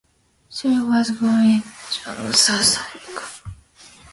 Shirley was born in Johannesburg, South Africa.